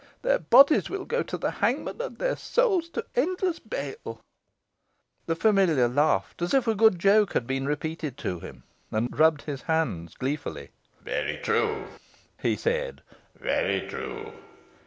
Their bodies will go to the hangman, and their souls to endless bale!" The familiar laughed as if a good joke had been repeated to him, and rubbed his hands gleefully. "Very true," he said; "very true.